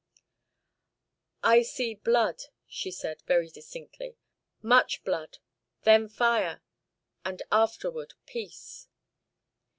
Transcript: "I see blood," she said, very distinctly. "Much blood, then fire, and afterward peace."